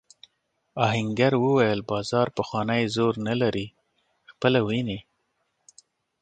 آهنګر وویل بازار پخوانی زور نه لري خپله وینې.